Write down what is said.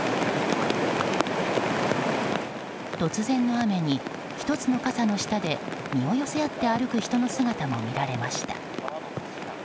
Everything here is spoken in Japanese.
突然の雨に１つの傘の下で身を寄せ合って歩く人の姿も見られました。